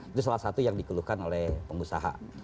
itu salah satu yang dikeluhkan oleh pengusaha